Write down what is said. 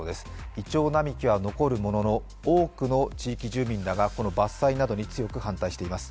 イチョウ並木は残るものの、多くの地域住民らがこの伐採計画に反対しています。